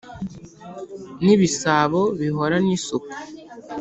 ni ibisabo bihorana isuku !